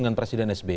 dengan presiden sb